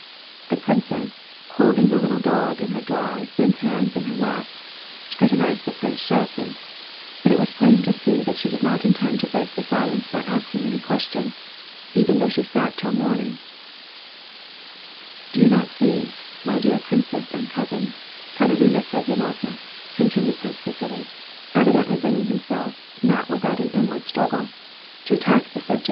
The princess, holding the little dog in her dry, thin hands in her lap, scrutinized the prince sharply, but it was plain to see that she did not intend to break the silence by asking any question, even though she sat till morning. Do you not see, my dear princess and cousin, Katerina Semyonovna," continued Prince Vasili, evidently bringing himself, not without an inward struggle, to attack the sub ' Je suis ^rtint^ comme vn chevai de po$t€" WAR AND PEACE.